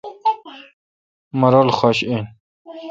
مہ رل خش این۔